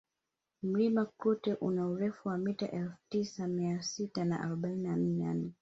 mlima klute una urefu wa mita elfu tatu Mia sita na arobaini na nane